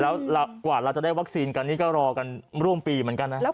แล้วกว่าจะได้วัคซีนกันก็รอกันร่วมปีเหมือนกัน